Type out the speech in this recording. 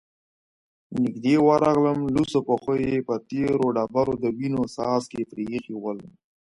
نږدې ورغلم، لوڅو پښو يې په تېرو ډبرو د وينو څاڅکې پرېښي ول،